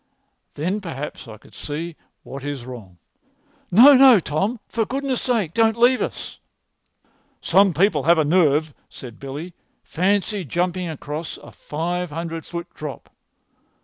Then perhaps I could see what is wrong." "No, no, Tom; for goodness' sake, don't leave us!" "Some people have a nerve," said Billy. "Fancy jumping across a five hundred foot drop!"